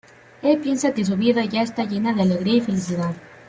Él piensa que su vida ya está llena de alegría y felicidad.